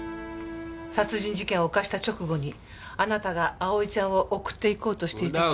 殺人事件を犯した直後にあなたが葵ちゃんを送っていこうとしていた事。